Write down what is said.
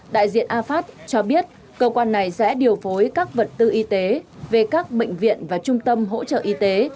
đại diện afast cho biết cơ quan này sẽ điều phối các vật tư y tế về các bệnh viện và trung tâm hỗ trợ y tế